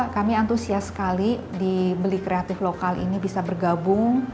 kami antusias sekali di beli kreatif lokal ini bisa bergabung